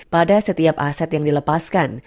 pada setiap aset yang dilepaskan